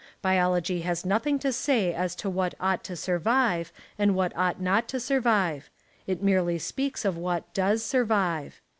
Biology has nothing to say as to what ought to survive and what ought not to survive; it merely speaks of what does survive.